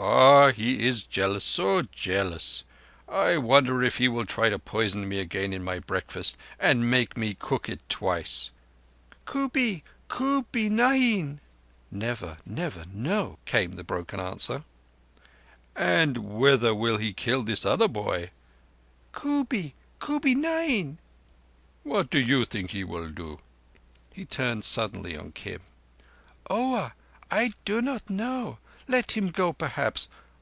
"Ah! He is jealous, so jealous. I wonder if he will try to poison me again in my breakfast, and make me cook it twice. "Kubbee—kubbee nahin," came the broken answer. "And whether he will kill this other boy?" "Kubbee—kubbee nahin." (Never—never. No!) "What do you think he will do?" He turned suddenly on Kim. "Oah! I do not know. Let him go, perhaps.